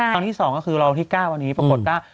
ครั้งที่๒ก็คือรอวันที่๙วันนี้ปรากฏว่า